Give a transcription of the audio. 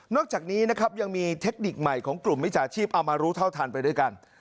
จากนี้นะครับยังมีเทคนิคใหม่ของกลุ่มมิจฉาชีพเอามารู้เท่าทันไปด้วยกัน